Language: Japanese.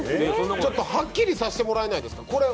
ちょっと、はっきりさせてもらえないですか？